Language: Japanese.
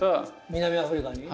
南アフリカに？